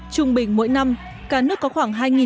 trung bình mỗi năm cả nước có khoảng một tỉnh gia lai